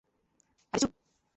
আরে চুপ!